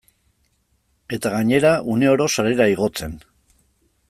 Eta gainera, uneoro sarera igotzen.